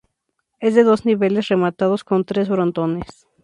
Es de dos niveles rematados con tres frontones.